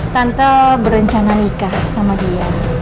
tante berencana nikah sama dia